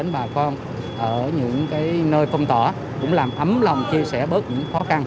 bà con ở những nơi phong tỏa cũng làm ấm lòng chia sẻ bớt những khó khăn